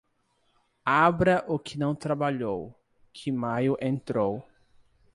Abra o que não trabalhou, que maio entrou.